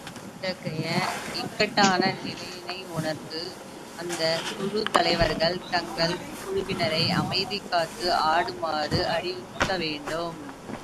இத்தகைய இக்கட்டான நிலையினை உணர்ந்து, அந்தந்தக் குழுத் தலைவர்கள், தங்கள் குழுவினரை அமைதி காத்து ஆடுமாறு அறிவுறுத்த வேண்டும்.